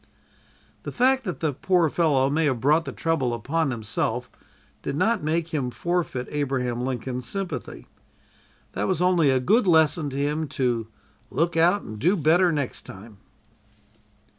The fact that the poor fellow may have brought the trouble upon himself did not make him forfeit Abraham Lincoln's sympathy. That was only a good lesson to him to "Look out and do better next time!"